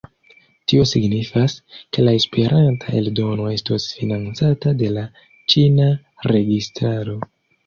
Tio signifas, ke la Esperanta eldono estos financata de la ĉina registaro.